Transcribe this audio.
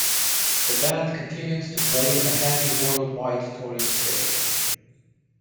The band continued to play a heavy worldwide touring schedule.